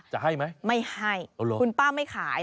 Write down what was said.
จะให้ไหมไม่ให้คุณป้าไม่ขาย